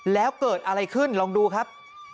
แล้วเกิดอะไรขึ้นลองดูครับ